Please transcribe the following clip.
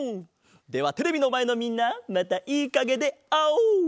ではテレビのまえのみんなまたいいかげであおう！